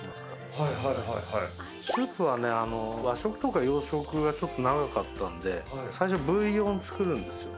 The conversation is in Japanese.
スープは和食とか洋食が長かったんで最初ブイヨン作るんですよ。